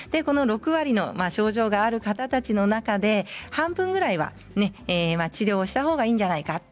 ６割の症状がある方という方の中で半分ぐらいは治療したほうがいいんじゃないか。